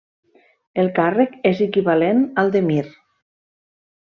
El càrrec és equivalent al d'emir.